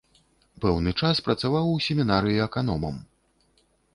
Пэўны час працаваў у семінарыі аканомам.